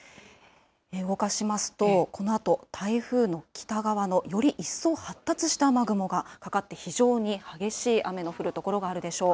動かしますと、このあと台風の北側のより一層発達した雨雲がかかって、非常に激しい雨の降る所があるでしょう。